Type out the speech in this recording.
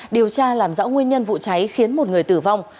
điều tra làm rõ nguyên nhân vụ cháy khiến một người tử vong